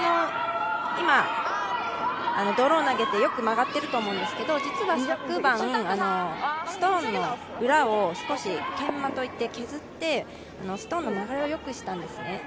今、ドローを投げてよく曲がっていると思うんですけど実は昨晩、ストーンの裏を少し研磨、削ってストーンの曲がりをよくしたんですね。